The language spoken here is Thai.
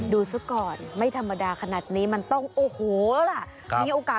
ดูซะก่อนไม่ธรรมดาขนาดนี้มันต้องโอ้โหล่ะมีโอกาส